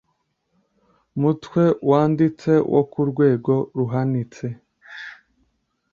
mutwe wanditse wo ku rwego ruhanitse